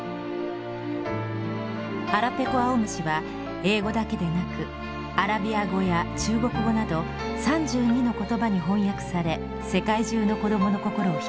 「はらぺこあおむし」は英語だけでなくアラビア語や中国語など３２の言葉に翻訳され世界中の子どもの心を引き付けました。